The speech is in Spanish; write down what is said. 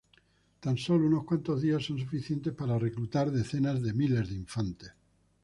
Tan sólo unos cuantos días son suficientes para reclutar decenas de miles de infantes.